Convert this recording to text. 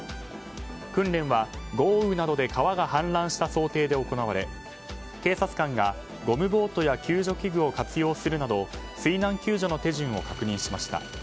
訓練は、豪雨などで川が氾濫した想定で行われ警察官がゴムボートや救助器具を活用するなど水難救助の手順を確認しました。